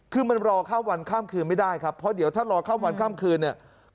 คือมันรอข้ามวันข้ามคืนไม่ได้ครับเพราะเดี๋ยวถ้ารอข้ามวันข้ามคืนเนี่ย